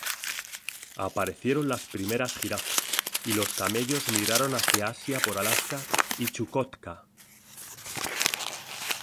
Aparecieron las primeras jirafas, y los camellos migraron hacia Asia por Alaska y Chukotka.